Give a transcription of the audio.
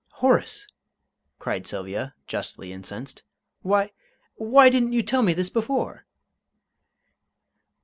"Horace!" cried Sylvia, justly incensed, "why why didn't you tell me this before?"